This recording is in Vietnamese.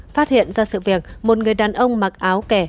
phát hiện ra sự việc một người đàn ông mặc áo kẻ